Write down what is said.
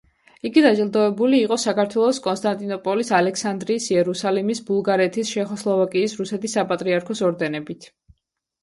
იგი დაჯილდოებული იყო საქართველოს, კონსტანტინოპოლის, ალექსანდრიის, იერუსალიმის, ბულგარეთის, ჩეხოსლოვაკიის, რუსეთის საპატრიარქოს ორდენებით.